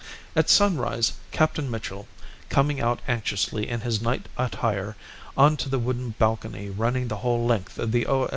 At sunrise Captain Mitchell, coming out anxiously in his night attire on to the wooden balcony running the whole length of the O.